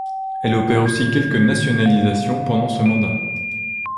Elle opère aussi quelques nationalisations pendant ce mandat.